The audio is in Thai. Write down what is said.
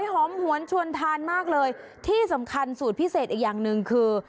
หอมหวนชวนทานมากเลยที่สำคัญสูตรพิเศษอีกอย่างหนึ่งคือ